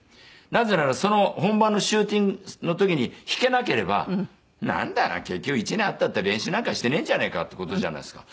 なぜなら本番のシューティングの時に弾けなければなんだ結局１年あったって練習なんかしてねえんじゃねえかっていう事じゃないですか。